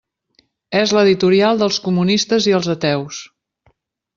És l'editorial dels comunistes i els ateus.